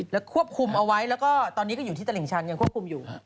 แล้วควบคุมเอาไว้ก็อยู่ที่ตลิ่งชันควบคุมอยู่